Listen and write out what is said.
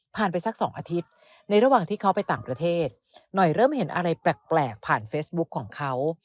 ไปสัก๒อาทิตย์ในระหว่างที่เขาไปต่างประเทศหน่อยเริ่มเห็นอะไรแปลกผ่านเฟซบุ๊คของเขา